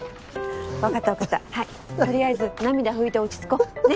わかったわかったはいとりあえず涙拭いて落ち着こうね？